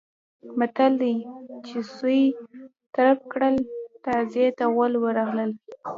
متل دی: چې سویې ترپ کړل تازي ته غول ورغلل.